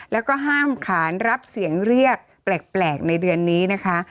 แล้วก็ห้ามขานรับเสียงเรียกแปลกในเดือนนี้นะคะ